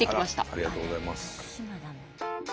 ありがとうございます。